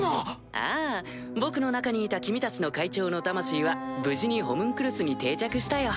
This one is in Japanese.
ああ僕の中にいた君たちの会長の魂は無事にホムンクルスに定着したよ。